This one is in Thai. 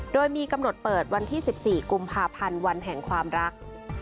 โดยมีกำหนดเปิดวันที่๑๔กุมภาพันธ์วันแห่งความรัก